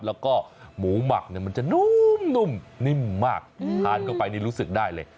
แล้วก็หมูหมักเนี่ยมันจะนุ่มนิ่มมากทานเข้าไปนี่รู้สึกได้เลย